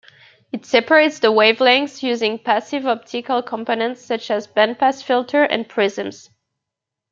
It separates the wavelengths using passive optical components such as bandpass filters and prisms.